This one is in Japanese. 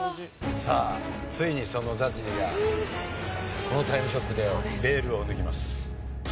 さあついにそのＺＡＺＹがこの『タイムショック』でベールを脱ぎます。